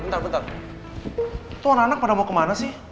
tuan anak pada mau kemana sih